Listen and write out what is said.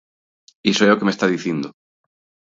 Iso é o que me está dicindo.